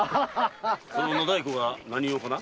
その野太鼓が何用かな？